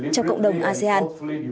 trong cộng đồng asean